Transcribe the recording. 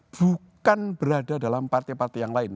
bukan berada dalam partai partai yang lain